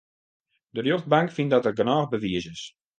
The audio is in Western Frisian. De rjochtbank fynt dat der genôch bewiis is.